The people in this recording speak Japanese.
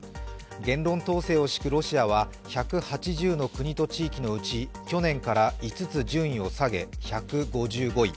言論統制を敷くロシアは１８０の国と地域のうち、去年から５つ順位を下げ、１５５位。